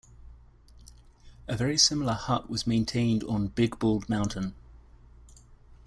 A very similar hut was maintained on Big Bald Mountain.